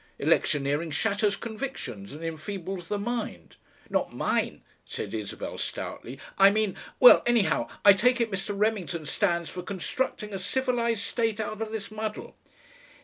"Electioneering shatters convictions and enfeebles the mind." "Not mine," said Isabel stoutly. "I mean Well, anyhow I take it Mr. Remington stands for constructing a civilised state out of this muddle."